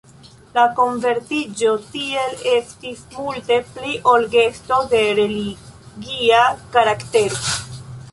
La konvertiĝo tiel estis multe pli ol gesto de religia karaktero.